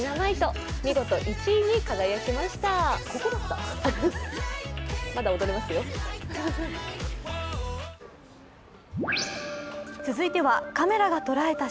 見事１位に輝きました。